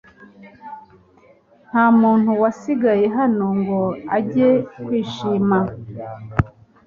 ntamuntu wasigaye hano ngo ajye kwishima